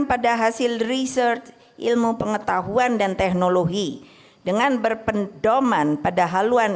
dan pada hasil research ilmu pengetahuan dan teknologi dengan berpedoman pada haluan